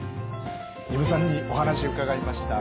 丹生さんにお話伺いました。